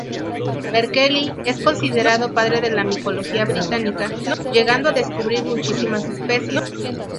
Berkeley es considerado padre de la Micología británica; llegando a describir muchísimas especies.